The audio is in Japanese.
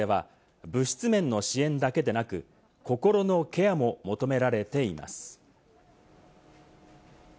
長く続く避難生活では、物質面の支援だけでなく、心のケアも求められています。